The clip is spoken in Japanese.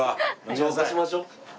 浄化しましょう。